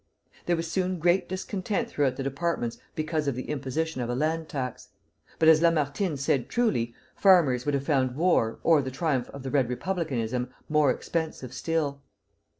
There was soon great discontent throughout the departments because of the imposition of a land tax; but as Lamartine said truly, farmers would have found war or the triumph of Red Republicanism more expensive still.